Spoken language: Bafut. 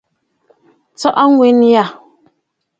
Tsɔʼɔ ŋgwen yâ.